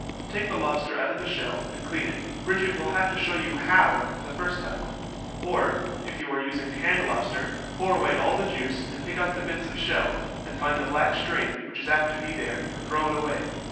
Take the lobster out of the shell and clean it; Bridget will have to show you how the first time. Or, if you are using canned lobster, pour away all the juice and pick out the bits of shell, and find the black string which is apt to be there, and throw it away.